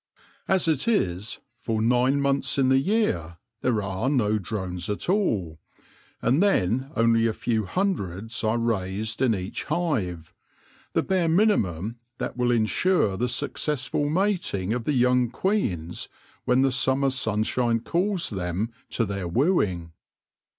As it is, for nine months in the year there are no drones at all, and then only a few hundreds are raised in each hive — the bare minimum that will ensure the successful mating of the young queens when the summer sunshine calls them to their wooing.